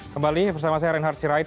kembali bersama saya reinhard sirait